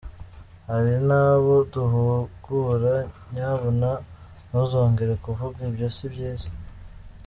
Hari nabo duhugura nyabuna ntuzongere kuvuga ibyo si byiza.